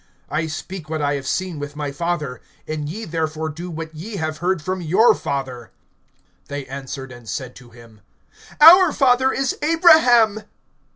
(38)I speak what I have seen with my Father; and ye therefore do what ye have heard from your father. (39)They answered and said to him: Our father is Abraham.